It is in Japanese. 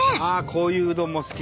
こういううどんも好き。